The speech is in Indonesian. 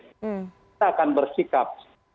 kita akan bersikap